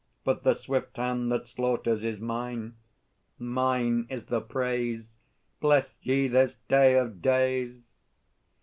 But the swift hand that slaughters Is mine; mine is the praise! Bless ye this day of days!